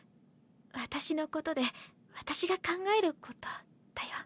私のことで私が考えることだよ。